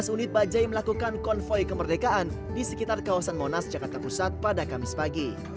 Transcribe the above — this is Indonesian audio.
delapan belas unit bajai melakukan konvoy kemerdekaan di sekitar kawasan monas jakarta pusat pada kamis pagi